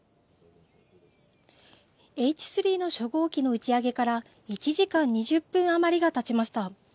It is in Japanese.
Ｈ３の初号機の打ち上げから１時間２０分余りがたちました。